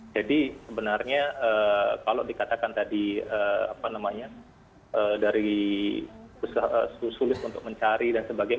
jadi sebenarnya kalau dikatakan tadi apa namanya dari sulit untuk mencari dan sebagainya